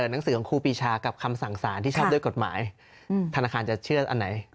หนังสือของครูปีชากับคำสั่งสารที่ชอบด้วยกฎหมายธนาคารจะเชื่ออันไหน